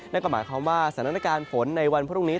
นั่นก็หมายความว่าสถานการณ์ฝนในวันพรุ่งนี้